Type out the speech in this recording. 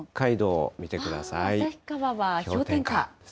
旭川は氷点下。